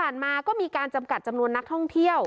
มาก็มีการจำกัดจำนวนนักท่องเที่ยว